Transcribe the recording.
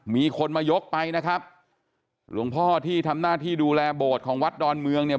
มีคนมายกไปนะครับหลวงพ่อที่ทำหน้าที่ดูแลโบสถ์ของวัดดอนเมืองเนี่ย